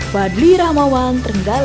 badli rahmawan trenggale